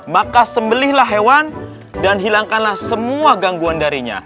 maka sembelihlah hewan dan hilangkanlah semua gangguan darinya